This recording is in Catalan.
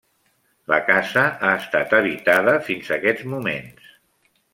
La casa ha estat habitada fins aquests moments.